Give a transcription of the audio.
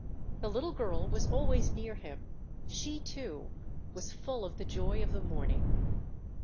The little girl was always near him; she, too, was full of the joy of the morning....